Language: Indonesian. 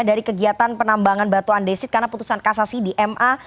dari kegiatan penambangan batu andesit karena putusan kasasi di ma